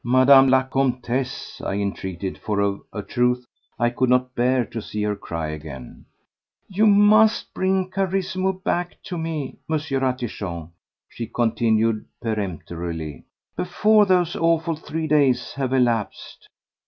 "Madame la Comtesse," I entreated, for of a truth I could not bear to see her cry again. "You must bring Carissimo back to me, M. Ratichon," she continued peremptorily, "before those awful three days have elapsed."